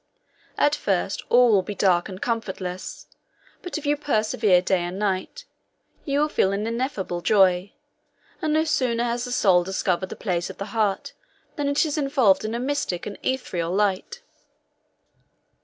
At first, all will be dark and comfortless; but if you persevere day and night, you will feel an ineffable joy; and no sooner has the soul discovered the place of the heart, than it is involved in a mystic and ethereal light."